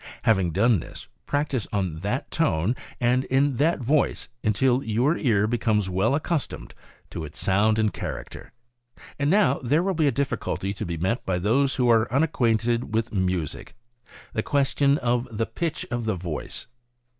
Having done this, practice on that tone and in that voice until your ear becomes well accustomed to its sound and character. And now there will be a difficulty to be met by those who are unacquainted with music — the question of the pitch of the voice.